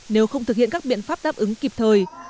nếu không thực hiện các biện pháp đáp ứng kịp thời